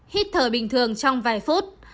hít thở bình thường trong vài phút